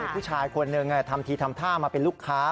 ผู้ชายคนหนึ่งทำทีทำท่ามาเป็นลูกค้า